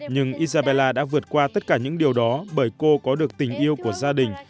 nhưng izabella đã vượt qua tất cả những điều đó bởi cô có được tình yêu của gia đình